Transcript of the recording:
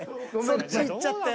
そっちいっちゃってん。